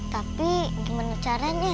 tapi gimana caranya